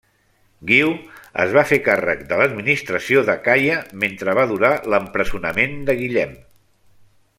Guiu es va fer càrrec de l'administració d'Acaia mentre va durar l'empresonament de Guillem.